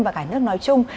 và cả nước nói chung